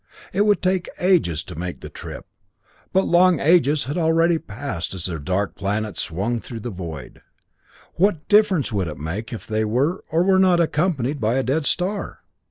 It would take ages to make the trip but long ages had already passed as their dark planet swung through the void. What difference would it make if they were or were not accompanied by a dead star?